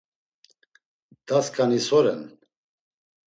Daskani so ren?